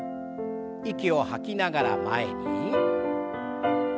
息を吐きながら前に。